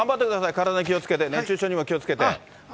体に気をつけて、熱中症にも気をつけて。